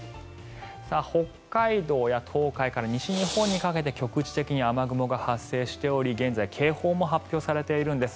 北海道や東海から西日本にかけて局地的に雨雲が発生しており現在警報も発表されているんです。